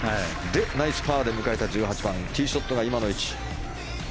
ナイスパーで迎えた１８番ティーショットが今の位置。